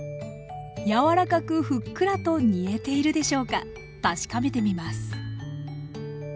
柔らかくふっくらと煮えているでしょうか確かめてみます